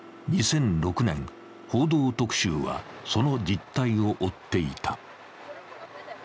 ２００６年、「報道特集」はその実態を追っていた。